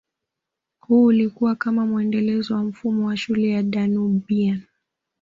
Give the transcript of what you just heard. Huu ulikua kama muendelezo wa mfumo wa shule ya Danubian